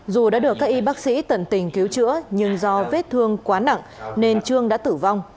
dù đã được các y bác sĩ tận tình cứu chữa nhưng do vết thương quá nặng nên trương đã tử vong